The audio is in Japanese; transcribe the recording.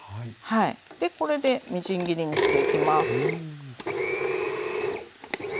でこれでみじん切りにしていきます。